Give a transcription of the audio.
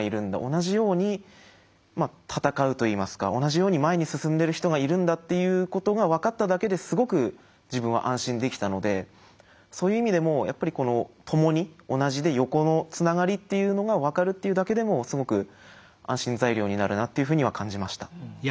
同じように闘うといいますか同じように前に進んでる人がいるんだっていうことが分かっただけですごく自分は安心できたのでそういう意味でもやっぱり共に同じで横のつながりっていうのが分かるっていうだけでもすごく安心材料になるなっていうふうには感じました。